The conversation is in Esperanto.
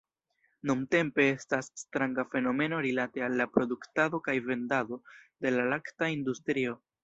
Nuntempe estas stranga fenomeno rilate al la produktado kaj vendado de la lakta industrio.